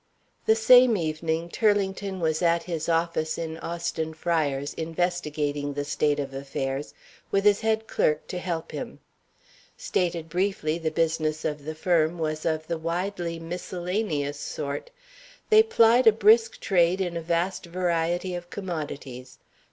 The same evening Turlington was at his office in Austin Friars, investigating the state of affairs, with his head clerk to help him. Stated briefly, the business of the firm was of the widely miscellaneous sort. They plied a brisk trade in a vast variety of commodities.